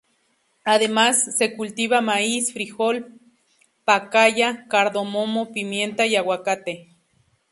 Además, se cultiva maíz, frijol, pacaya, cardamomo, pimienta y aguacate.